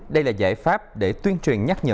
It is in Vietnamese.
đây là giải pháp để tuyên truyền nhắc nhở